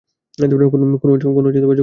কোন যোগাযোগ নেই?